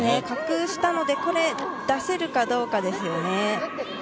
隠したので出せるかどうかですよね。